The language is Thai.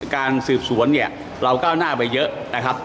การสืบสวนเนี่ยเราก้าวหน้าไปเยอะนะครับ